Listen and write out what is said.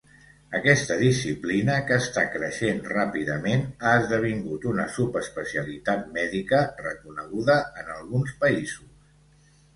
Aquesta disciplina, que està creixent ràpidament, ha esdevingut una subespecialitat mèdica reconeguda en alguns països.